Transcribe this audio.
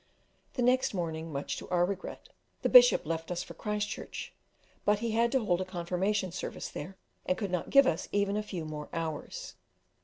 The next morning, much to our regret, the Bishop left us for Christchurch, but he had to hold a Confirmation service there, and could not give us even a few more hours.